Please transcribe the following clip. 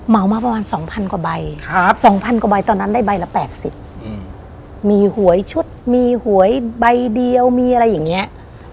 มาประมาณ๒๐๐กว่าใบ๒๐๐กว่าใบตอนนั้นได้ใบละ๘๐มีหวยชุดมีหวยใบเดียวมีอะไรอย่างนี้